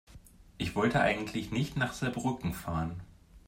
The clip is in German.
Ich wollte eigentlich nicht nach Saarbrücken fahren